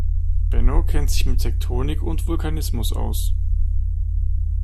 Benno kennt sich mit Tektonik und Vulkanismus aus.